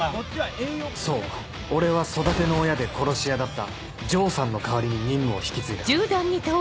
そう俺は育ての親で殺し屋だった丈さんの代わりに任務を引き継いだ